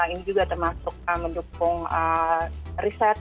ini juga termasuk mendukung riset